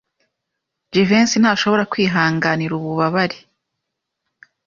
Jivency ntashobora kwihanganira ububabare.